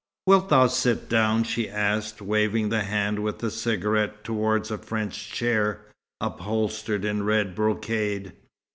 "Wilt thou sit down?" she asked, waving the hand with the cigarette towards a French chair, upholstered in red brocade.